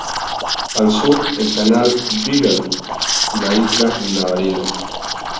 Al Sur, el Canal Beagle y la Isla Navarino.